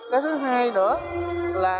cái thứ hai nữa là